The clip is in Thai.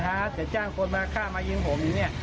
ถ้าจะจ้างคนมาฆ่ามายิงผมอย่างเนี่ย